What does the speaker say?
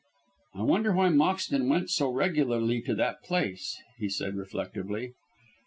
"I wonder why Moxton went so regularly to that place?" he said reflectively.